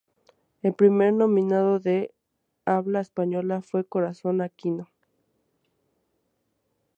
El primer nominado de habla española fue Corazón Aquino.